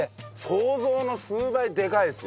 想像の数倍でかいですよ